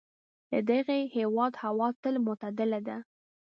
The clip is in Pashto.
د دغې سیمې هوا تل معتدله ده.